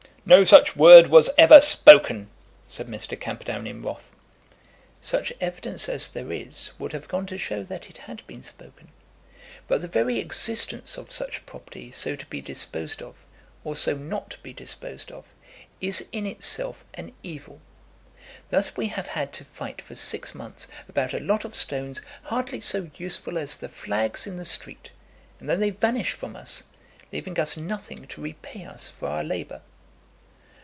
"No such word was ever spoken," said Mr. Camperdown in wrath. "Such evidence as there is would have gone to show that it had been spoken. But the very existence of such property so to be disposed of, or so not to be disposed of, is in itself an evil. Thus, we have had to fight for six months about a lot of stones hardly so useful as the flags in the street, and then they vanish from us, leaving us nothing to repay us for our labour."